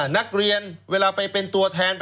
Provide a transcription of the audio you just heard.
นักเรียนเวลาไปเป็นตัวแทน